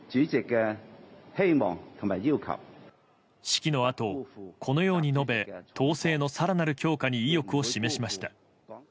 式のあと、このように述べ統制の更なる強化に意欲を示しました。